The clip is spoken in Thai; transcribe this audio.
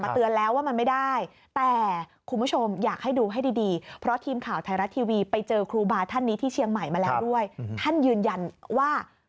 ท่านยืนยันว่า